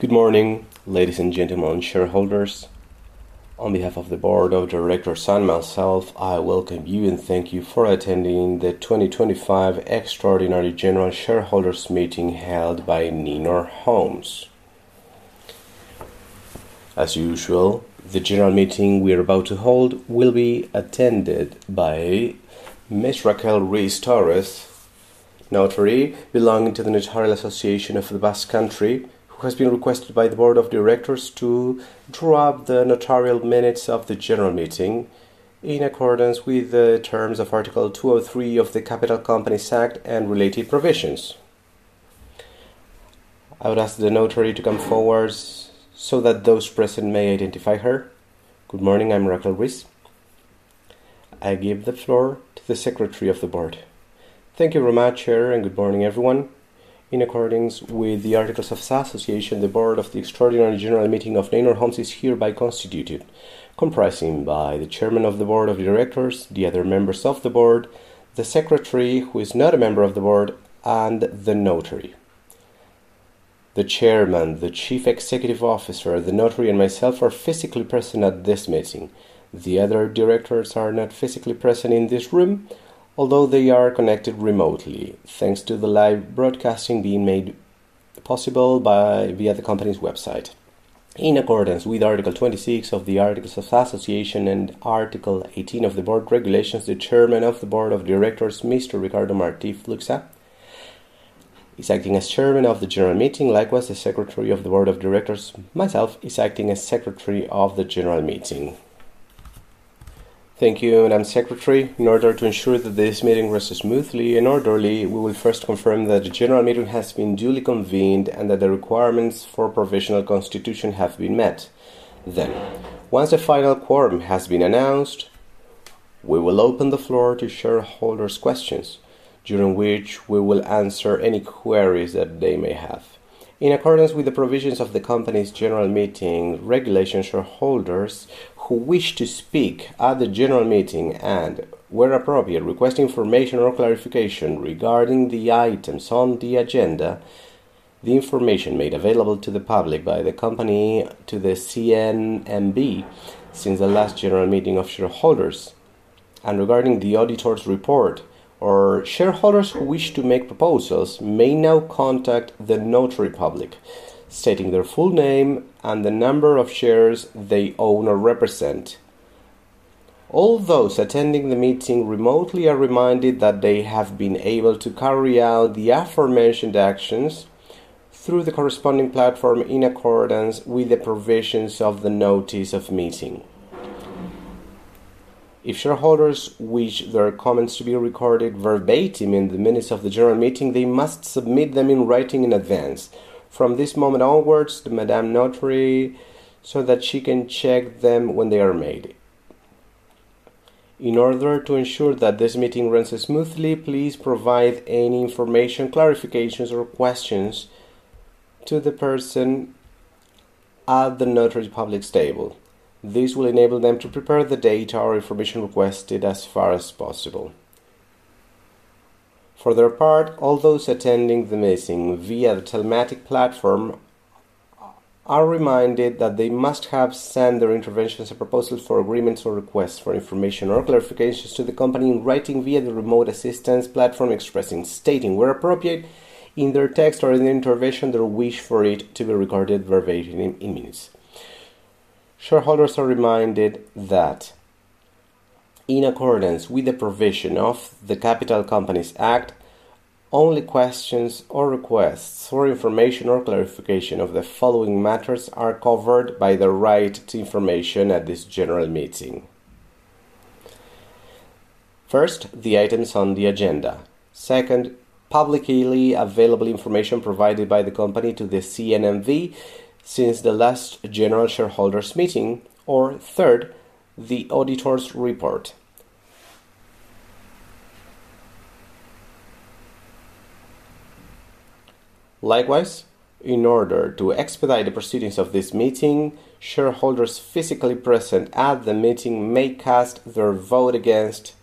Good morning, ladies and gentlemen shareholders. On behalf of the Board of Directors and myself, I welcome you and thank you for attending the 2025 Extraordinary General Shareholders Meeting held by Neinor Homes. As usual, the general meeting we are about to hold will be attended by Ms. Raquel Ruiz Torres, Notary belonging to the Notarial Association of the Basque Country, who has been requested by the Board of Directors to draw up the notarial minutes of the general meeting in accordance with the terms of Article 203 of the Capital Companies Act and related provisions. I would ask the Notary to come forward so that those present may identify her. Good morning, I'm Raquel Ruiz. I give the floor to the Secretary of the Board. Thank you very much, Chair, and good morning, everyone. In accordance with the Articles of Substitution, the Board of the Extraordinary General Meeting of Neinor Homes is hereby constituted, comprised by the Chairman of the Board of Directors, the other members of the Board, the Secretary, who is not a member of the Board, and the Notary. The Chairman, the Chief Executive Officer, the Notary, and myself are physically present at this meeting. The other directors are not physically present in this room, although they are connected remotely, thanks to the live broadcasting being made possible via the company's website. In accordance with Article 26 of the Articles of Substitution and Article 18 of the Board regulations, the Chairman of the Board of Directors, Mr. Ricardo Martí Fluxá, is acting as Chairman of the general meeting. Likewise, the Secretary of the Board of Directors, myself, is acting as Secretary of the general meeting. Thank you, Madam Secretary. In order to ensure that this meeting runs smoothly and orderly, we will first confirm that the general meeting has been duly convened and that the requirements for provisional constitution have been met. Once the final quorum has been announced, we will open the floor to shareholders' questions, during which we will answer any queries that they may have. In accordance with the provisions of the company's general meeting regulations, shareholders who wish to speak at the general meeting and, where appropriate, request information or clarification regarding the items on the agenda, the information made available to the public by the company to the CNMV since the last general meeting of shareholders. Regarding the auditor's report, shareholders who wish to make proposals may now contact the notary public, stating their full name and the number of shares they own or represent. All those attending the meeting remotely are reminded that they have been able to carry out the aforementioned actions through the corresponding platform in accordance with the provisions of the notice of meeting. If shareholders wish their comments to be recorded verbatim in the minutes of the general meeting, they must submit them in writing in advance from this moment onwards to Madam Notary, so that she can check them when they are made. In order to ensure that this meeting runs smoothly, please provide any information, clarifications, or questions to the person at the notary public's table. This will enable them to prepare the data or information requested as fast as possible. For their part, all those attending the meeting via the telematic platform are reminded that they must have sent their interventions and proposals for agreements or requests for information or clarifications to the company in writing via the remote assistance platform, stating where appropriate in their text or in the intervention their wish for it to be recorded verbatim in minutes. Shareholders are reminded that in accordance with the provision of the Capital Companies Act, only questions or requests for information or clarification of the following matters are covered by the right to information at this general meeting. First, the items on the agenda. Second, publicly available information provided by the company to the CNMV since the last general shareholders' meeting. Third, the auditor's report. Likewise, in order to expedite the proceedings of this meeting, shareholders physically present at the meeting may cast their vote against,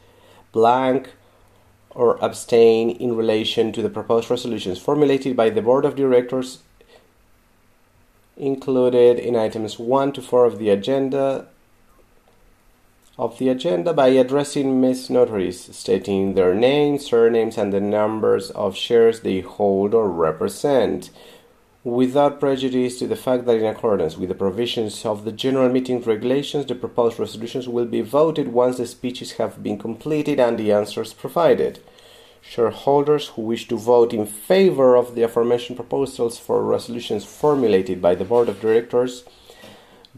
blank, or abstain in relation to the proposed resolutions formulated by the board of directors included in items one to four of the agenda by addressing Ms. Notary's, stating their names, surnames, and the numbers of shares they hold or represent without prejudice to the fact that in accordance with the provisions of the general meeting regulations, the proposed resolutions will be voted once the speeches have been completed and the answers provided. Shareholders who wish to vote in favor of the aforementioned proposals for resolutions formulated by the board of directors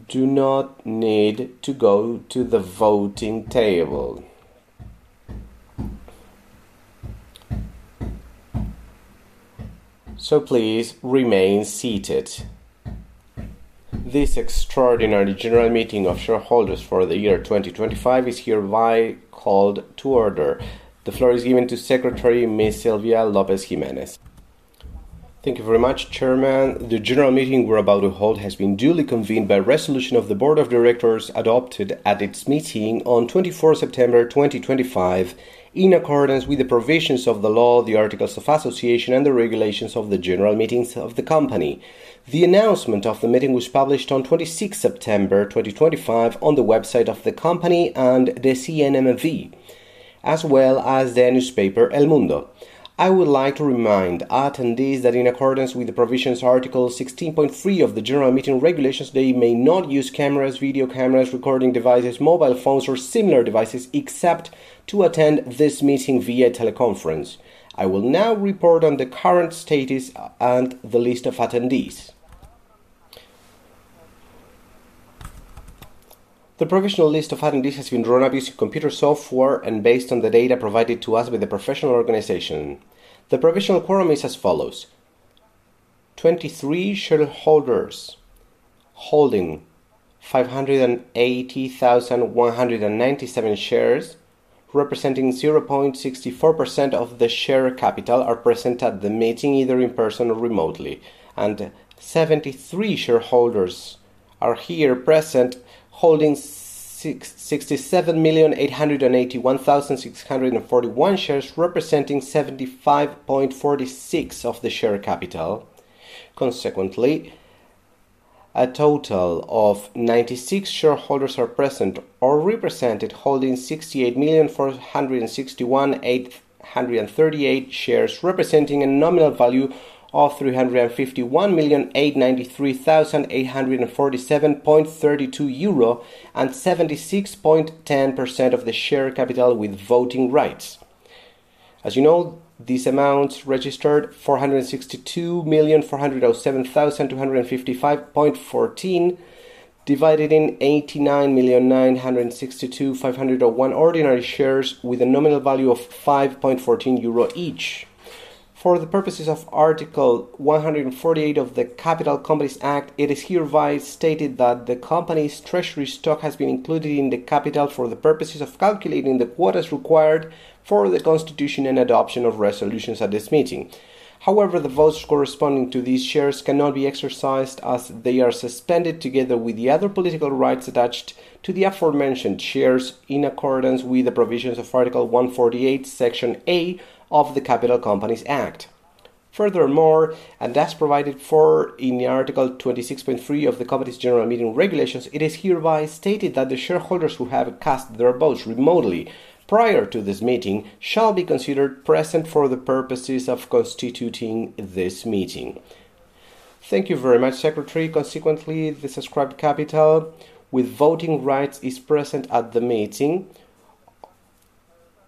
do not need to go to the voting table. Please remain seated. This Extraordinary General Meeting of Shareholders for the year 2025 is hereby called to order. The floor is given to Secretary Ms. Silvia López Jiménez. Thank you very much, Chairman. The general meeting we're about to hold has been duly convened by resolution of the Board of Directors adopted at its meeting on 24 September 2025 in accordance with the provisions of the law, the Articles of Association, and the regulations of the general meetings of the company. The announcement of the meeting was published on 26 September 2025 on the website of the company and the CNMV, as well as the newspaper El Mundo. I would like to remind attendees that in accordance with the provisions of Article 16.3 of the general meeting regulations, they may not use cameras, video cameras, recording devices, mobile phones, or similar devices except to attend this meeting via teleconference. I will now report on the current status and the list of attendees. The provisional list of attendees has been drawn up using computer software and based on the data provided to us by the professional organization. The provisional quorum is as follows: 23 shareholders holding 580,197 shares, representing 0.64% of the share capital, are present at the meeting either in person or remotely. 73 shareholders are here present, holding 67,881,641 shares, representing 75.46% of the share capital. Consequently, a total of 96 shareholders are present or represented, holding 68,461,838 shares, representing a nominal value of 351,893,847.32 euro and 76.10% of the share capital with voting rights. As you know, these amounts registered 462,407,255.14 divided in 89,962,501 ordinary shares with a nominal value of €5.14 each. For the purposes of Article 148 of the Capital Companies Act, it is hereby stated that the company's treasury stock has been included in the capital for the purposes of calculating the quotas required for the constitution and adoption of resolutions at this meeting. However, the votes corresponding to these shares cannot be exercised as they are suspended together with the other political rights attached to the aforementioned shares in accordance with the provisions of Article 148, Section A of the Capital Companies Act. Furthermore, and as provided in Article 26.3 of the company's general meeting regulations, it is hereby stated that the shareholders who have cast their votes remotely prior to this meeting shall be considered present for the purposes of constituting this meeting. Thank you very much, Secretary. Consequently, the subscribed capital with voting rights is present at the meeting.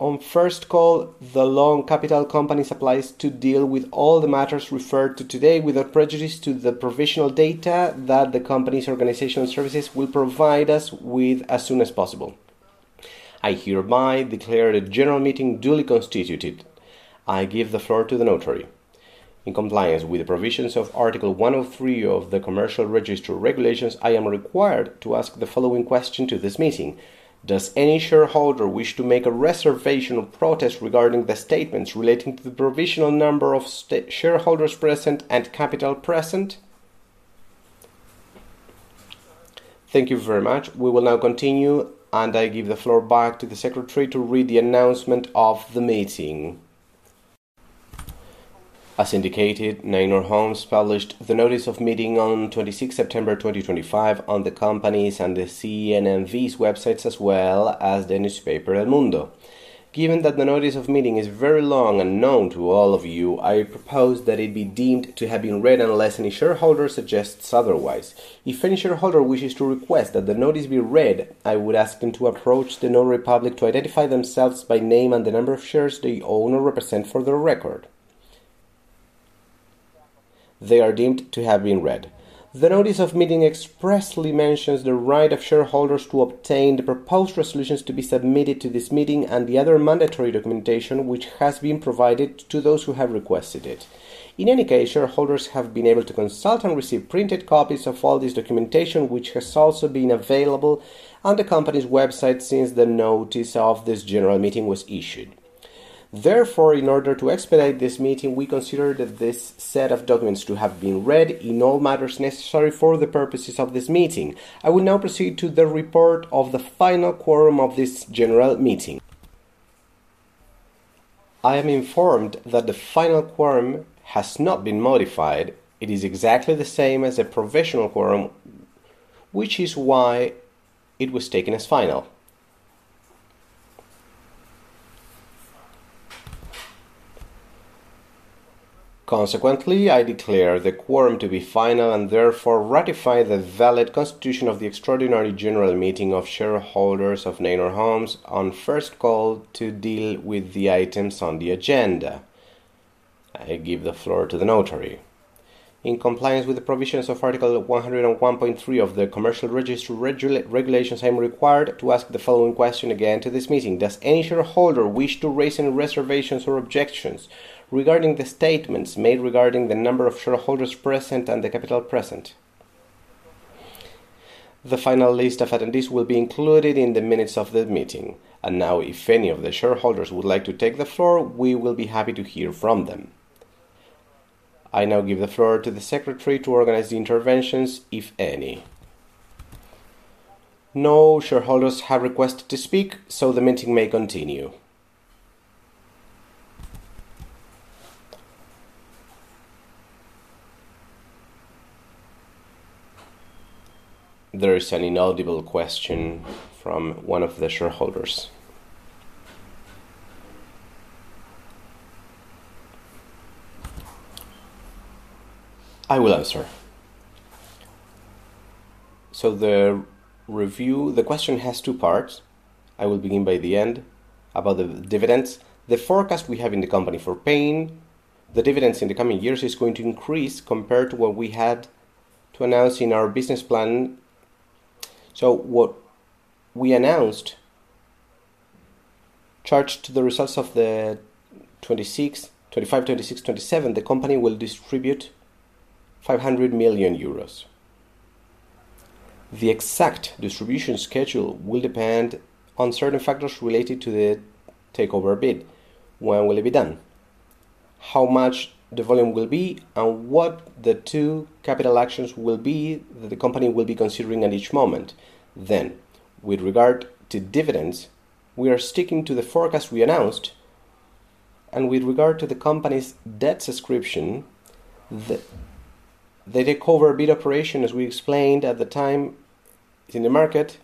On first call, the Capital Companies Act applies to deal with all the matters referred to today without prejudice to the provisional data that the company's organizational services will provide us with as soon as possible. I hereby declare the general meeting duly constituted. I give the floor to the Notary. In compliance with the provisions of Article 103 of the Commercial Register Regulations, I am required to ask the following question to this meeting: Does any shareholder wish to make a reservation or protest regarding the statements relating to the provisional number of shareholders present and capital present? Thank you very much. We will now continue, and I give the floor back to the Secretary to read the announcement of the meeting. As indicated, Neinor Homes published the notice of meeting on 26 September 2025 on the company's and the CNMV's websites, as well as the newspaper El Mundo. Given that the notice of meeting is very long and known to all of you, I propose that it be deemed to have been read unless any shareholder suggests otherwise. If any shareholder wishes to request that the notice be read, I would ask them to approach the Notary Public to identify themselves by name and the number of shares they own or represent for their record. They are deemed to have been read. The notice of meeting expressly mentions the right of shareholders to obtain the proposed resolutions to be submitted to this meeting and the other mandatory documentation which has been provided to those who have requested it. In any case, shareholders have been able to consult and receive printed copies of all this documentation which has also been available on the company's website since the notice of this general meeting was issued. Therefore, in order to expedite this meeting, we consider that this set of documents to have been read in all matters necessary for the purposes of this meeting. I will now proceed to the report of the final quorum of this general meeting. I am informed that the final quorum has not been modified. It is exactly the same as the provisional quorum, which is why it was taken as final. Consequently, I declare the quorum to be final and therefore ratify the valid constitution of the Extraordinary General Meeting of Shareholders of Neinor Homes on first call to deal with the items on the agenda. I give the floor to the notary. In compliance with the provisions of Article 101.3 of the Commercial Register Regulations, I am required to ask the following question again to this meeting: Does any shareholder wish to raise any reservations or objections regarding the statements made regarding the number of shareholders present and the capital present? The final list of attendees will be included in the minutes of the meeting. If any of the shareholders would like to take the floor, we will be happy to hear from them. I now give the floor to the secretary to organize the interventions, if any. No shareholders have requested to speak, so the meeting may continue. There is an inaudible question from one of the shareholders. I will answer. The review, the question has two parts. I will begin by the end about the dividends. The forecast we have in the company for paying the dividends in the coming years is going to increase compared to what we had to announce in our business plan. What we announced charged to the results of 2025, 2026, 2027, the company will distribute 500 million euros. The exact distribution schedule will depend on certain factors related to the takeover bid. When will it be done? How much the volume will be and what the two capital actions will be that the company will be considering at each moment? With regard to dividends, we are sticking to the forecast we announced. With regard to the company's debt subscription, the takeover bid operation, as we explained at the time in the market,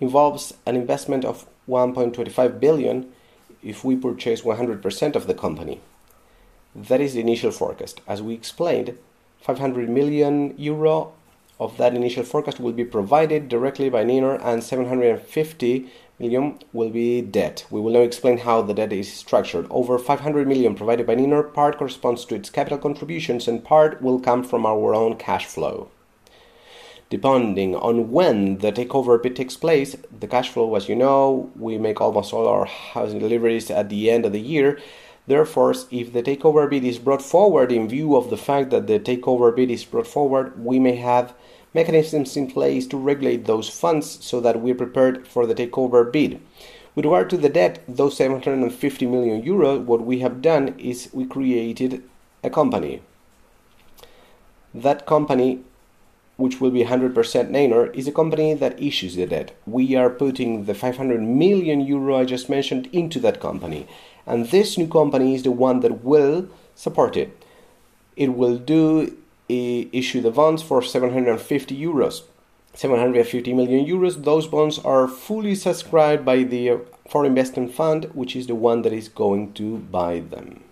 involves an investment of 1.25 billion if we purchase 100% of the company. That is the initial forecast. As we explained, 500 million euro of that initial forecast will be provided directly by Neinor, and 750 million will be debt. We will now explain how the debt is structured. Over 500 million provided by Neinor part corresponds to its capital contributions and part will come from our own cash flow. Depending on when the takeover bid takes place, the cash flow, as you know, we make almost all our housing deliveries at the end of the year. Therefore, if the takeover bid is brought forward in view of the fact that the takeover bid is brought forward, we may have mechanisms in place to regulate those funds so that we are prepared for the takeover bid. With regard to the debt, those 750 million euros, what we have done is we created a company. That company, which will be 100% Neinor, is a company that issues the debt. We are putting the 500 million euro I just mentioned into that company. This new company is the one that will support it. It will issue bonds for €750 million. Those bonds are fully subscribed by the foreign investment fund, which is the one that is going to buy them.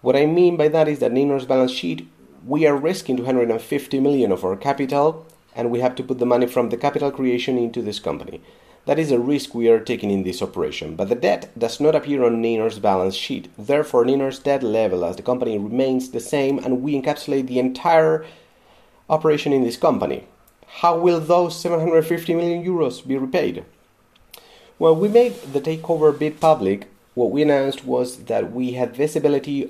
What I mean by that is that Neinor's balance sheet, we are risking €250 million of our capital, and we have to put the money from the capital creation into this company. That is a risk we are taking in this operation. The debt does not appear on Neinor's balance sheet. Therefore, Neinor's debt level as the company remains the same, and we encapsulate the entire operation in this company. How will those €750 million be repaid? We made the takeover bid public. What we announced was that we had visibility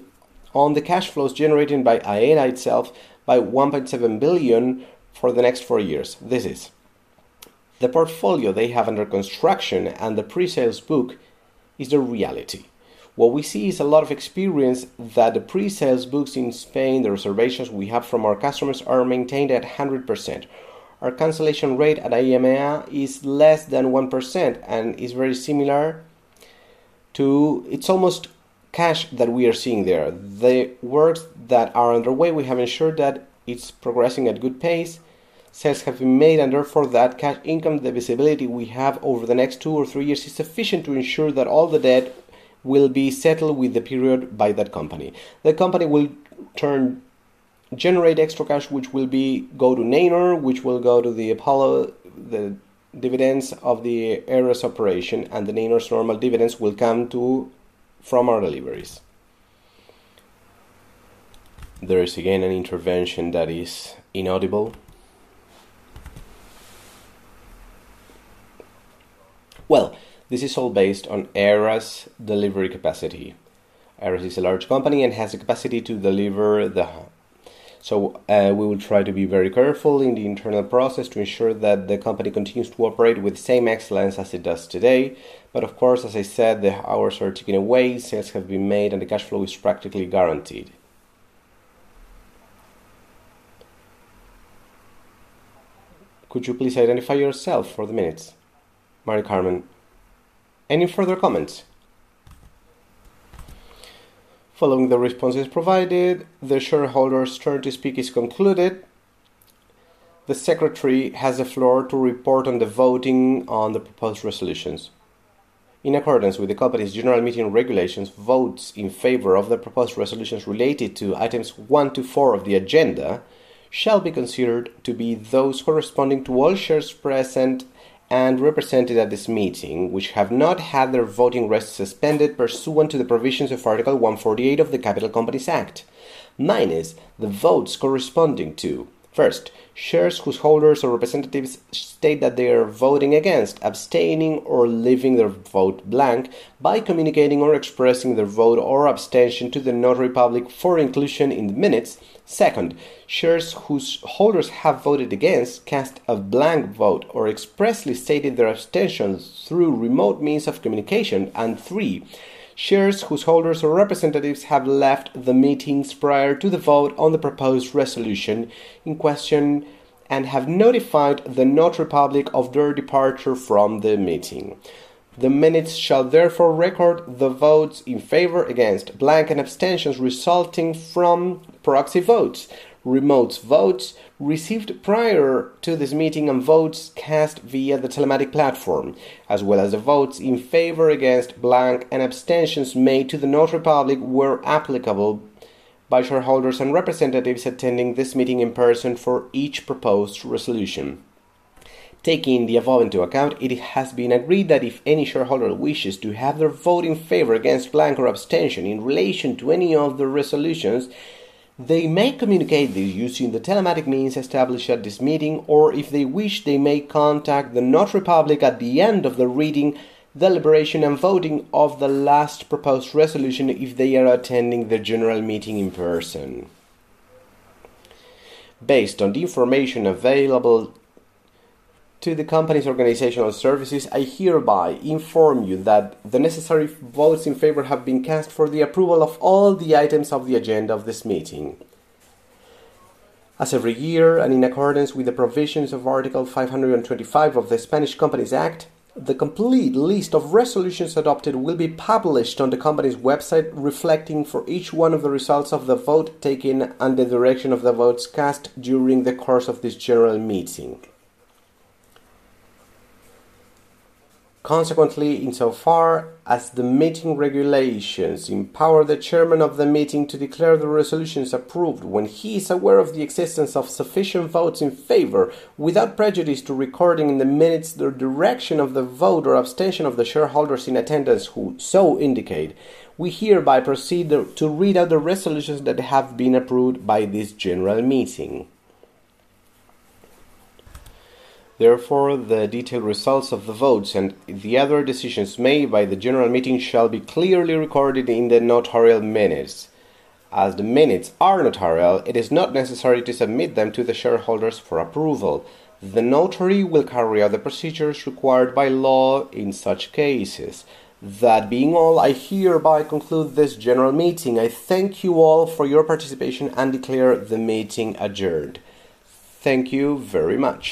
on the cash flows generated by AEDAS Homes itself by €1.7 billion for the next four years. This is the portfolio they have under construction, and the pre-sales book is the reality. What we see is a lot of experience that the pre-sales books in Spain, the reservations we have from our customers are maintained at 100%. Our cancellation rate at AEDAS Homes is less than 1% and is very similar to it's almost cash that we are seeing there. The works that are underway, we have ensured that it's progressing at a good pace. Sales have been made, and therefore, that cash income, the visibility we have over the next two or three years, is sufficient to ensure that all the debt will be settled within the period by that company. The company will generate extra cash, which will go to Neinor, which will go to Apollo, the dividends of the AEDAS operation, and Neinor's normal dividends will come from our deliveries. There is again an intervention that is inaudible. This is all based on AEDAS delivery capacity. AEDAS Homes is a large company and has the capacity to deliver the... We will try to be very careful in the internal process to ensure that the company continues to operate with the same excellence as it does today. Of course, as I said, the hours are taken away, sales have been made, and the cash flow is practically guaranteed. Could you please identify yourself for the minutes? Mario Carmen. Any further comments? Following the responses provided, the shareholders' turn to speak is concluded. The Secretary has the floor to report on the voting on the proposed resolutions. In accordance with the company's general meeting regulations, votes in favor of the proposed resolutions related to items one to four of the agenda shall be considered to be those corresponding to all shares present and represented at this meeting, which have not had their voting rights suspended pursuant to the provisions of Article 148 of the Capital Companies Act, minus the votes corresponding to: First, shares whose holders or representatives state that they are voting against, abstaining, or leaving their vote blank by communicating or expressing their vote or abstention to the notary public for inclusion in the minutes. Second, shares whose holders have voted against, cast a blank vote, or expressly stated their abstention through remote means of communication. Third, shares whose holders or representatives have left the meetings prior to the vote on the proposed resolution in question and have notified the notary public of their departure from the meeting. The minutes shall therefore record the votes in favor, against, blank, and abstentions resulting from proxy votes, remote votes received prior to this meeting, and votes cast via the telematic platform, as well as the votes in favor, against, blank, and abstentions made to the notary public where applicable by shareholders and representatives attending this meeting in person for each proposed resolution. Taking the above into account, it has been agreed that if any shareholder wishes to have their vote in favor, against, blank, or abstention in relation to any of the resolutions, they may communicate this using the telematic means established at this meeting, or if they wish, they may contact the notary public at the end of the reading, deliberation, and voting of the last proposed resolution if they are attending the general meeting in person. Based on the information available to the company's organizational services, I hereby inform you that the necessary votes in favor have been cast for the approval of all the items of the agenda of this meeting. As every year, and in accordance with the provisions of Article 525 of the Spanish Companies Act, the complete list of resolutions adopted will be published on the company's website, reflecting for each one the results of the vote taken and the direction of the votes cast during the course of this general meeting. Consequently, insofar as the meeting regulations empower the Chairman of the meeting to declare the resolutions approved when he is aware of the existence of sufficient votes in favor without prejudice to recording in the minutes the direction of the vote or abstention of the shareholders in attendance who so indicate, we hereby proceed to read out the resolutions that have been approved by this general meeting. Therefore, the detailed results of the votes and the other decisions made by the general meeting shall be clearly recorded in the notarial minutes. As the minutes are notarial, it is not necessary to submit them to the shareholders for approval. The notary will carry out the procedures required by law in such cases. That being all, I hereby conclude this general meeting. I thank you all for your participation and declare the meeting adjourned. Thank you very much.